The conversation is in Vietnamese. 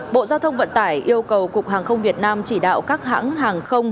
bộ giao thông vận tải yêu cầu cục hàng không việt nam chỉ đạo các hãng hàng không